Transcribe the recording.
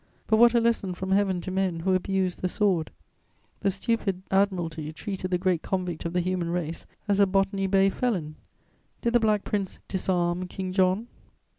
But what a lesson from Heaven to men who abuse the sword! The stupid Admiralty treated the great convict of the human race as a Botany Bay felon: did the Black Prince "disarm" King John?